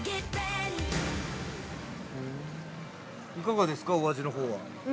◆いかがですか、お味のほうは。